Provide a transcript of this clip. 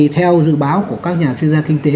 theo dự báo của các nhà chuyên gia kinh tế